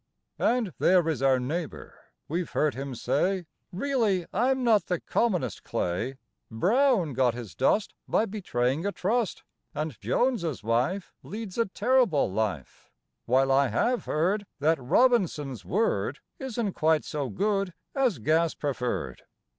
And there is our neighbor. We've heard him say: "Really, I'm not the commonest clay. Brown got his dust By betraying a trust; And Jones's wife Leads a terrible life; While I have heard That Robinson's word Isn't quite so good as Gas preferred.